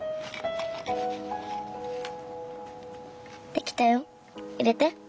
できたよ。入れて。